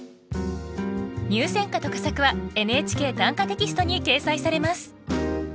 入選歌と佳作は「ＮＨＫ短歌テキスト」に掲載されます